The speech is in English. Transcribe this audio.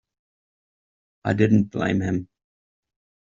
I didn’t blame him.